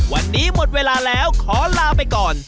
วันนี้หมดเวลาแล้วขอลาไปก่อน